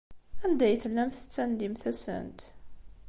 Anda ay tellamt tettandimt-asent?